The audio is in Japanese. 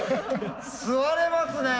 座れますね！